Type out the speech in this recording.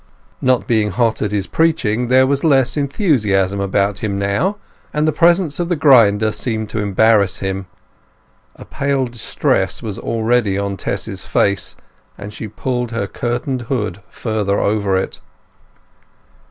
Not being hot at his preaching there was less enthusiasm about him now, and the presence of the grinder seemed to embarrass him. A pale distress was already on Tess's face, and she pulled her curtained hood further over it.